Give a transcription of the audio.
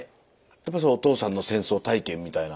やっぱりお父さんの戦争体験みたいな？